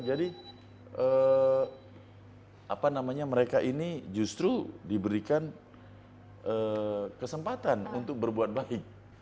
jadi mereka ini justru diberikan kesempatan untuk berbuat baik